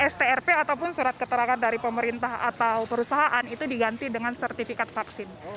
strp ataupun surat keterangan dari pemerintah atau perusahaan itu diganti dengan sertifikat vaksin